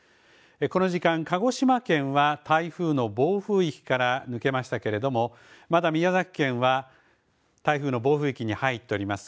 この時間、鹿児島県は台風の暴風域から抜けましたけれどもまだ宮崎県は台風の暴風域に入っております。